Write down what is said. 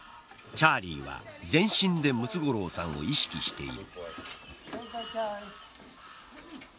チャーリーは全身でムツゴロウさんを意識している。